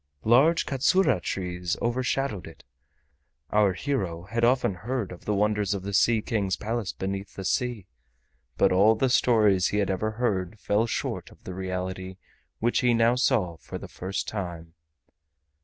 Large katsura trees overshadowed it. Our hero had often heard of the wonders of the Sea King's Palace beneath the sea, but all the stories he had ever heard fell short of the reality which he now saw for the first time.